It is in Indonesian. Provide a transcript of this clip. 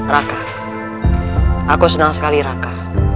raka aku senang sekali raka